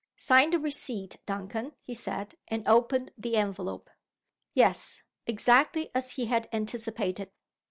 "Sign the receipt, Duncan," he said and opened the envelope. Yes! Exactly as he had anticipated!